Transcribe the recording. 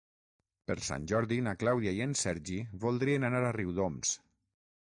Per Sant Jordi na Clàudia i en Sergi voldrien anar a Riudoms.